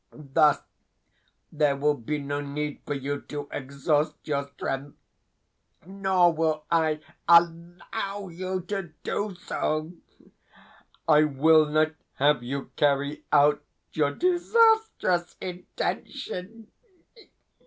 Thus there will be no need for you to exhaust your strength, nor will I allow you to do so I will not have you carry out your disastrous intention...